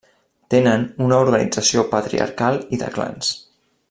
Tenen una organització patriarcal i de clans.